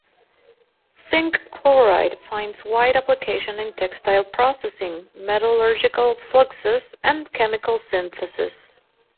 Zinc chloride finds wide application in textile processing, metallurgical fluxes, and chemical synthesis.